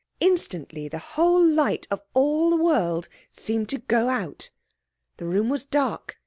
Instantly the whole light of all the world seemed to go out. The room was dark.